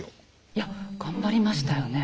いや頑張りましたよね？